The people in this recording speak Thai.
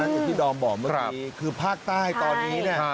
อย่างที่ดอมบอกเมื่อกี้ครับคือภาคใต้ตอนนี้น่ะใช่